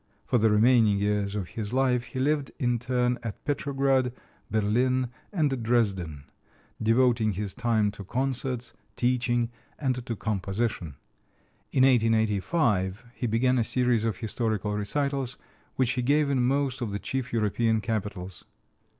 For the remaining years of his life he lived in turn at Petrograd, Berlin, and Dresden, devoting his time to concerts, teaching, and to composition. In 1885 he began a series of historical recitals, which he gave in most of the chief European capitals.